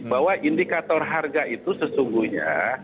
bahwa indikator harga itu sesungguhnya